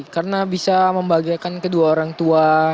karena bisa membahagiakan kedua orang tua